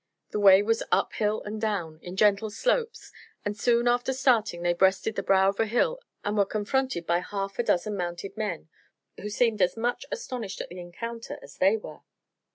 The way was up hill and down, in gentle slopes, and soon after starting they breasted the brow of a hill and were confronted by half a dozen mounted men, who seemed as much astonished at the encounter as they were.